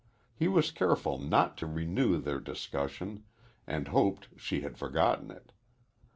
He was careful not to renew their discussion, and hoped she had forgotten it.